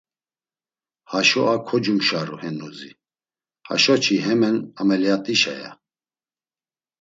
Haşo a kocumşaru hennuzi, haşo çi hemmen ameliyat̆işa ya.